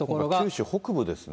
九州北部ですね。